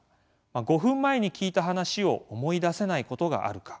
５分前に聞いた話を思い出せないことがあるか。